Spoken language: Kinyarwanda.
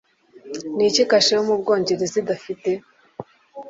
Ni iki kashe yo mu Bwongereza idafite?